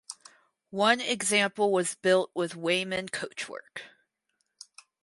One example was built with Weymann coachwork.